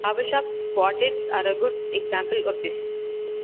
Barbershop quartets are a good example of this.